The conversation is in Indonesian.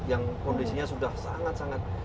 yang kondisinya sudah sangat sangat